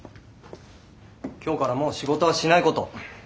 今日からもう仕事はしないこと。